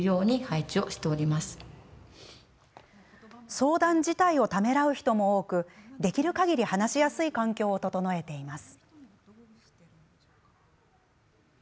相談自体をためらう人も多いのでできるかぎり話しやすい環境を整えています。